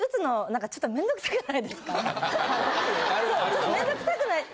ちょっとめんどくさく。